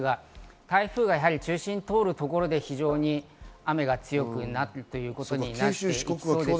台風が中心を通るところで非常に雨が強くなるということになります。